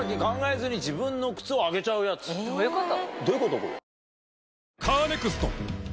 どういうこと？